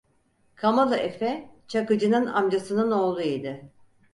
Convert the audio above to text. Kamalı Efe, Çakıcı'nın amcasının oğlu idi.